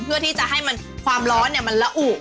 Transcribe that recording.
เพื่อที่จะให้ความร้อนมันละอุ